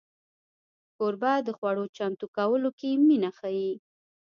کوربه د خوړو چمتو کولو کې مینه ښيي.